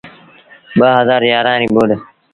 ٻآ هزآر يآرآن ريٚ ٻوڏ۔